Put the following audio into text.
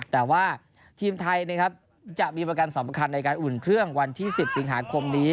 แต่ว่าทีมไทยนะครับจะมีโปรแกรมสำคัญในการอุ่นเครื่องวันที่๑๐สิงหาคมนี้